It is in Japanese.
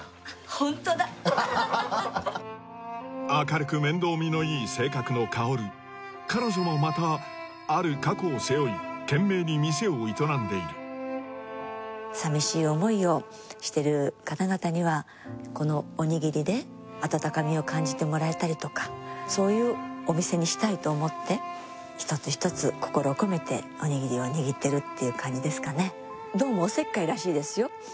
ホントだ明るく面倒見のいい性格の香彼女もまたある過去を背負い懸命に店を営んでいる寂しい思いをしてる方々にはこのそういうお店にしたいと思って一つ一つ心を込めておにぎりを握ってるっていう感じですかねですよ